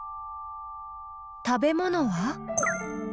食べ物は？